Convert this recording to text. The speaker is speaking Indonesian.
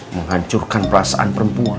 menghancurkan perasaan perempuan